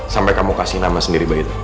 sampai kamu kasih nama sendiri bayi itu gimana